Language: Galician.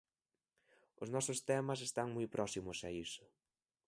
Os nosos temas están moi próximos a iso.